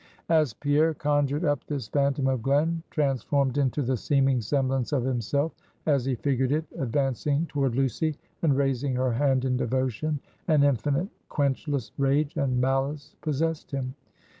As Pierre conjured up this phantom of Glen transformed into the seeming semblance of himself; as he figured it advancing toward Lucy and raising her hand in devotion; an infinite quenchless rage and malice possessed him.